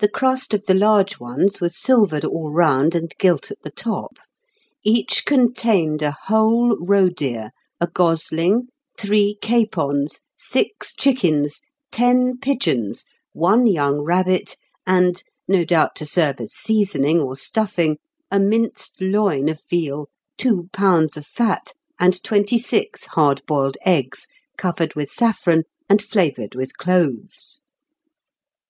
The crust of the large ones was silvered all round and gilt at the top; each contained a whole roe deer, a gosling, three capons, six chickens, ten pigeons, one young rabbit, and, no doubt to serve as seasoning or stuffing, a minced loin of veal, two pounds of fat, and twenty six hard boiled eggs, covered with saffron and flavoured with cloves.